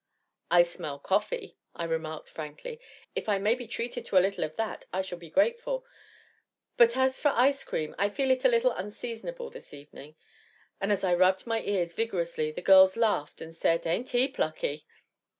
"I smell coffee," I remarked, frankly; "if I may be treated to a little of that, I shall be grateful; but as for ice cream, I feel it a little unseasonable this evening. And as I rubbed my ears vigorously, the girls laughed and said, Ain't he plucky!"